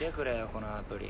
このアプリ。